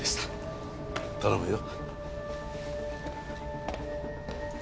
頼むよ。